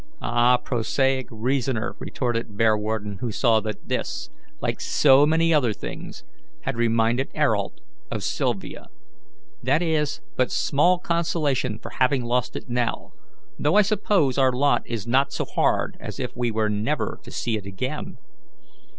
"Ah, prosaic reasoner," retorted Bearwarden, who saw that this, like so many other things, had reminded Ayrault of Sylvia, "that is but small consolation for having lost it now, though I suppose our lot is not so hard as if we were never to see it again.